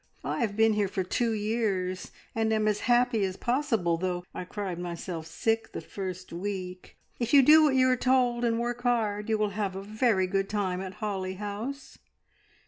I have been here for two years, and am as happy as possible, though I cried myself sick the first week. If you do what you are told and work hard, you will have a very good time at Holly House."